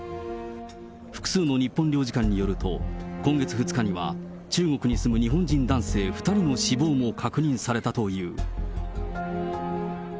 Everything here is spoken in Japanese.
複数の日本領事館によると、今月２日には、中国に住む日本人男性２人の死亡も確認されたという。